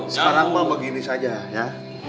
sekarang mah begini saja ya